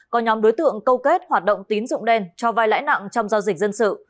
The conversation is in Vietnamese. có nhóm đối tượng câu kết hoạt động tín dụng đen cho vai lãi nặng trong giao dịch dân sự